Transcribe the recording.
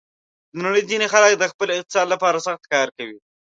د نړۍ ځینې خلک د خپل اقتصاد لپاره سخت کار کوي.